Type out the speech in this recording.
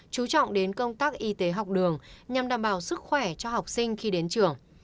chú trọng đến công tác y tế học đường nhằm đảm bảo sức khỏe cho học sinh khi đến trường